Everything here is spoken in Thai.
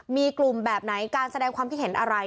มีกลุ่มแบบไหนการแสดงความคิดเห็นอะไร